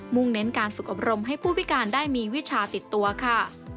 ่งเน้นการฝึกอบรมให้ผู้พิการได้มีวิชาติดตัวค่ะ